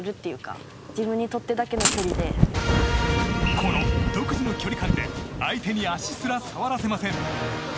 この独自の距離で相手に足すら触らせません。